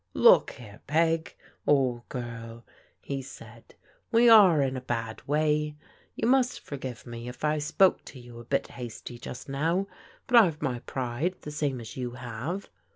" Look here, Peg, old girl," he said, " we are in a bad way. You must forgive me if I spoke to you a bit hasty just now : but I've my pride the same as you have.